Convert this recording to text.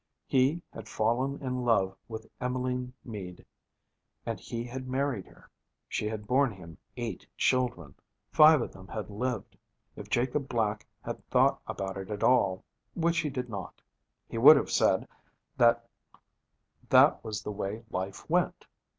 He had 'fallen in love' with Emmeline Mead and he had married her. She had borne him eight children. Five of them had lived. If Jacob Black had thought about it at all, which he did not, he would have said that was the way life went.